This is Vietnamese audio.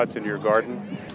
thì đúng lý do